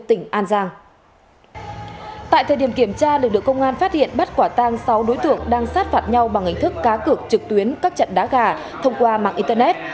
tại thời điểm kiểm tra lực lượng công an phát hiện bắt quả tang sáu đối tượng đang sát phạt nhau bằng hình thức cá cược trực tuyến các trận đá gà thông qua mạng internet